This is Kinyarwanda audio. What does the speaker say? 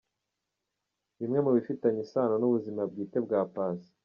Bimwe mu bifitanye isano n’ubuzima bwite bwa Paccy….